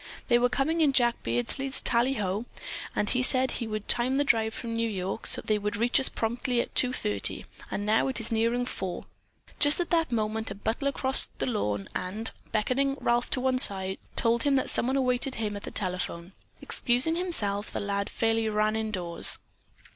They were coming in Jack Beardsley's tallyho, and he said he would time the drive from New York so that they would reach us promptly at two thirty, and now it is nearing four." Just at that moment a butler crossed the lawn and, beckoning Ralph to one side, told him that someone awaited him at the telephone. Excusing himself, the lad fairly ran indoors.